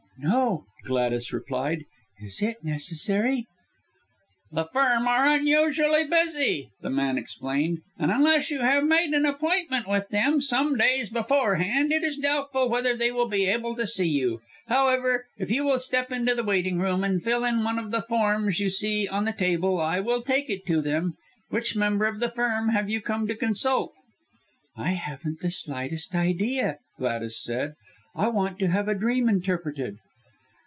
"No," Gladys replied. "Is it necessary? "The firm are unusually busy," the man explained, "and unless you have made an appointment with them some days beforehand, it is doubtful whether they will be able to see you. However, if you will step into the waiting room and fill in one of the forms you see on the table, I will take it to them. Which member of the firm have you come to consult?" "I haven't the slightest idea," Gladys said. "I want to have a dream interpreted."